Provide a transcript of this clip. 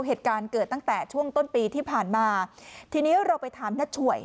เหตุการณ์เกิดตั้งแต่ช่วงต้นปีที่ผ่านมาทีนี้เราไปถามน้าช่วย